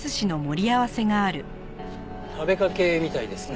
食べかけみたいですね。